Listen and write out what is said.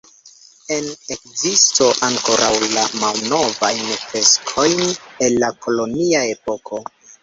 Ene ekzistas ankoraŭ la malnovajn freskojn el la kolonia epoko.